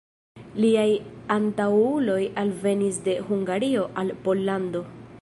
Liaj antaŭuloj alvenis de Hungario al Pollando.